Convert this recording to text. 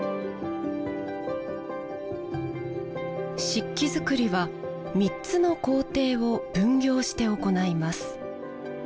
漆器作りは３つの工程を分業して行います。